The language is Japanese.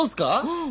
うん。